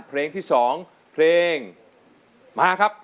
เพลงที่๒เพลงมาครับ